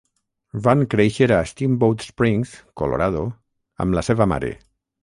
Van créixer a Steamboat Springs, Colorado, amb la seva mare.